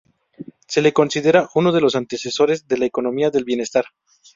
Se lo considera uno de los antecesores de la economía del bienestar